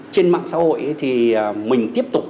trên mạng xã hội thì mình tiếp tục